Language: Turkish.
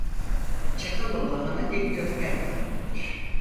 Çakaloğlu Hanı dikdörtgen planlıdır.